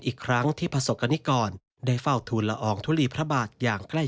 อีกครั้งนี่ที่พระศักดิกิร์นได้เฝ้าธูะละอองทุหรีพระบาทง่ายตัว